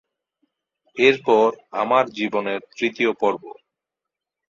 এরপর আমার জীবনের তৃতীয় পর্ব।